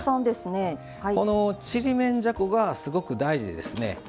このちりめんじゃこがすごく大事ですね。